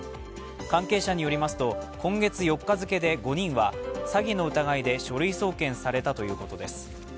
関係者によりますと今月４日付けで５人は詐欺の疑いで書類送検されたということです。